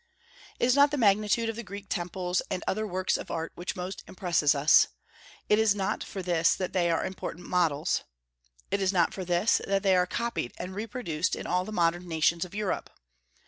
It is not the magnitude of the Greek temples and other works of art which most impresses us. It is not for this that they are important models; it is not for this that they are copied and reproduced in all the modern nations of Europe.